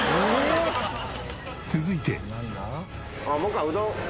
続いて。